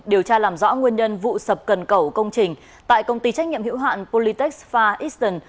điều tra làm rõ nguyên nhân vụ sập cần cầu công trình tại công ty trách nhiệm hữu hạn politex fa eston